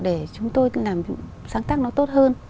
để chúng tôi làm sáng tác nó tốt hơn